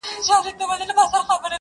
سږ کال مي ولیده لوېدلې وه له زوره ونه،